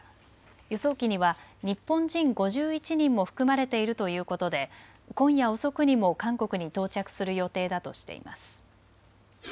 輸送機には日本人５１人も含まれているということで今夜遅くにも韓国に到着する予定だとしています。